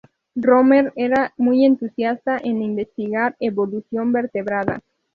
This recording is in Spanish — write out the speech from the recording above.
Romer era muy entusiasta en investigar evolución vertebrada.